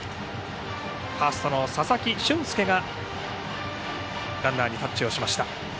ファーストの佐々木駿介がランナーにタッチをしました。